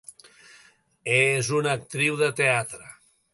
És una actriu de teatre.